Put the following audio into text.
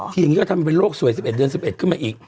อย่างนี้ก็ทำเป็นโรคสวย๑๑เดือน๑๑ขึ้นมาอีก